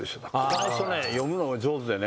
この人ね読むのが上手でね。